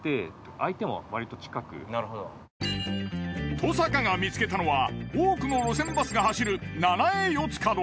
登坂が見つけたのは多くの路線バスが走る七栄四ツ角。